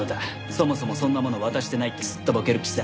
そもそもそんなもの渡してないってすっとぼける気さ。